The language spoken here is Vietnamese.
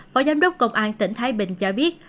phó giám đốc công an tỉnh thái bình cho biết